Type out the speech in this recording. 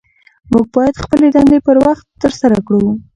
موږ باید خپلې دندې پر وخت ترسره کړو